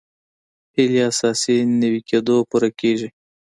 هیلې اساسي نوي کېدو پوره کېږي.